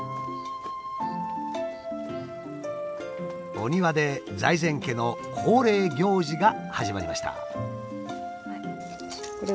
お庭で財前家の恒例行事が始まりました。